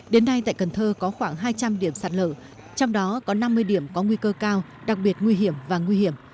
đến nay tại cần thơ có khoảng hai trăm linh điểm sạt lở trong đó có năm mươi điểm có nguy cơ cao đặc biệt nguy hiểm và nguy hiểm